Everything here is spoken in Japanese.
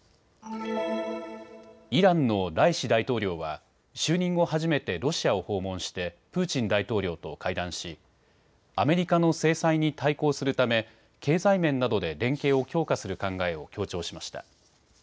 イランのライシ大統領は就任後、初めてロシアを訪問してプーチン大統領と会談しアメリカの制裁に対抗するため経済面などで連携を強化する考えを強調しました。